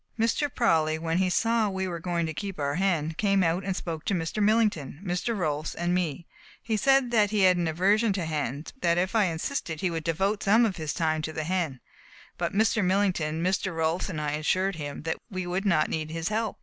Mr. Prawley, when he saw we were going to keep our hen, came out and spoke to Mr. Millington, Mr. Rolfs, and me. He said he had an aversion to hens, but that if I insisted he would devote some of his time to the hen, but Mr. Millington, Mr. Rolfs, and I assured him we would not need his help.